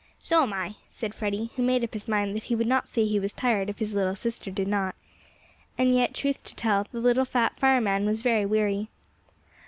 "So am I," said Freddie, who made up his mind that he would not say he was tired if his little sister did not. And yet, truth to tell, the little Fat Fireman was very weary.